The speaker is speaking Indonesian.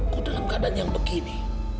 ku dalam keadaan yang begini